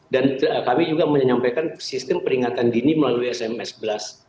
dan kami juga menyampaikan sistem peringatan dini melalui sms blast